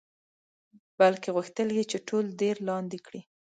بلکې غوښتل یې چې ټول دیر لاندې کړي.